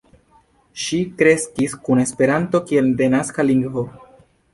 Ŝi kreskis kun Esperanto kiel denaska lingvo.